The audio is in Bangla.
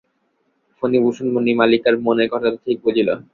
ফণিভূষণ মণিমালিকার মনের কথাটা ঠিক বুঝিল।